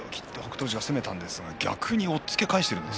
富士が攻めたんですが逆に押っつけ返しているんです。